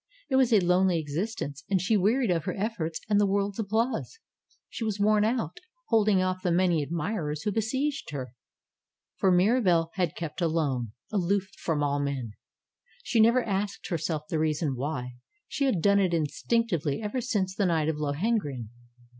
It was a lonely existence, and she wearied of her efforts and the world^s applause. She was worn out holding off MIRABELLE 119 the many admirers who besieged her. For Mirahelle had kept alone; aloof from all men. She never asked herself the reason why; she had done it instinctively ever since the night of Lohengrin.